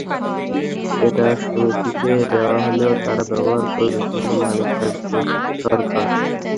এটা সমিতিকে দেওয়া হলেও তারা ব্যবহার করবে, কিন্তু মালিক থাকবে সরকার।